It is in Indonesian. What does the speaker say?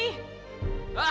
hah gak mau tau